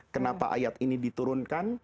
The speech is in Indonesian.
kenapa ayat ini diturunkan